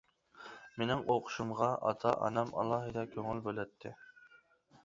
مېنىڭ ئوقۇشۇمغا ئاتا-ئانام ئالاھىدە كۆڭۈل بۆلەتتى.